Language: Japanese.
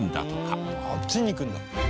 あっちにいくんだ。